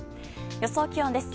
予想気温です。